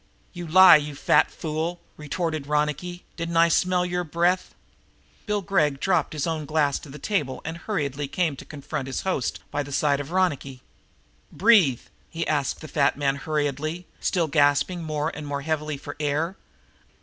"You lie, you fat fool!" retorted Ronicky. "Didn't I smell your breath?" Bill Gregg dropped his own glass on the table and hurriedly came to confront his host by the side of Ronicky. "Breath?" asked the fat man hurriedly, still gasping more and more heavily for air.